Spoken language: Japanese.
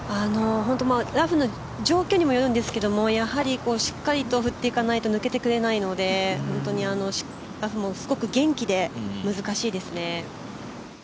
ラフの状況にもよるんですけど、しっかりと振っていかないと抜けてくれないのでラフも少し元気で難しいですね。